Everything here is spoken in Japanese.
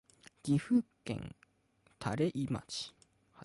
岐阜県垂井町